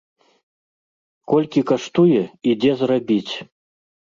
Колькі каштуе і дзе зрабіць?